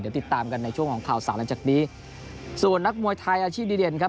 เดี๋ยวติดตามกันในช่วงของข่าวสารหลังจากนี้ส่วนนักมวยไทยอาชีพดีเด่นครับ